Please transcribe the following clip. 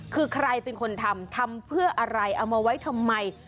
คือใครเป็นคนทำทำเพื่ออะไรเอามาไว้ทำไม